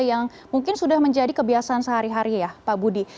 yang mungkin sudah menjadi kebiasaan sehari hari ya pak budi